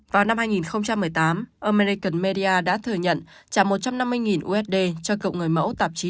vào năm hai nghìn một mươi tám ông melican media đã thừa nhận trả một trăm năm mươi usd cho cựu người mẫu tạp chí